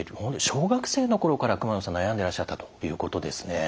小学生の頃から熊野さん悩んでらっしゃったということですね。